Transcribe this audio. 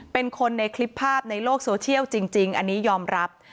เป็นคนในคลิปภาพในโลกโซเชียลจริงอันนี้ยอมรับ